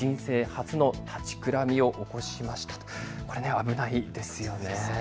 危ないですよね。